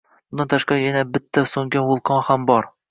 Bundan tashqari, yana bitta so'ngan vulqon ham bor edi.